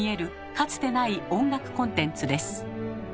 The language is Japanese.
かつてない音楽コンテンツです。